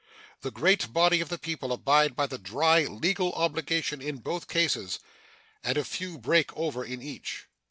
The great body of the people abide by the dry legal obligation in both cases, and a few break over in each.